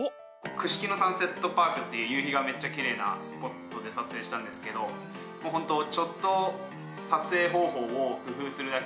串木野サンセットパークっていう夕日がめっちゃきれいなスポットで撮影したんですけどもうほんと簡単なの？